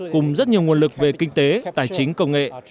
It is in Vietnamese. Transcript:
cùng rất nhiều nguồn lực về kinh tế tài chính công nghệ